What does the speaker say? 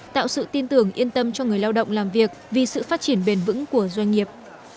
tạo sự tin tưởng yên tâm cho người lao động làm việc vì sự phát triển bền vững của doanh nghiệp